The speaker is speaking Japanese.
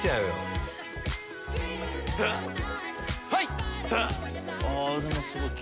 はい！